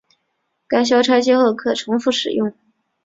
该销拆卸后可重复使用。